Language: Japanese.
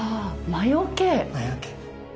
魔よけ。